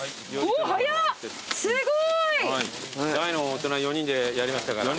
大の大人４人でやりましたから。